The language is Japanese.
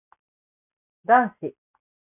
男子